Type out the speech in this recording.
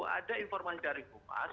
ada informasi dari bumas